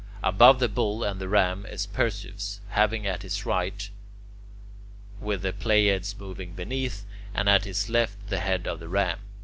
Above the Bull and the Ram is Perseus, having at his right... with the Pleiades moving beneath, and at his left the head of the Ram.